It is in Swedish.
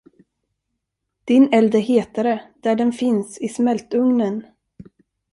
Din eld är hetare, där den finns i smältugnen.